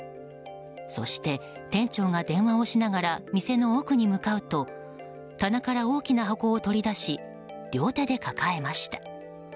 そして、店長が電話をしながら店の奥に向かうと棚から大きな箱を取り出し両手で抱えました。